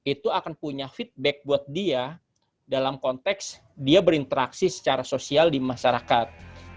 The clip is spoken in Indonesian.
itu akan punya feedback buat dia dalam konteks dia berinteraksi secara sosial di masyarakat